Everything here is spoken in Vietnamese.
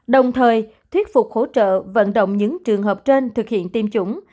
đồng thời thuyết phục hỗ trợ vận động những trường hợp trên thực hiện tiêm chủng